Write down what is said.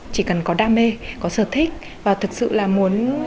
chỉ cần có đam mê có sở thích và thực sự là muốn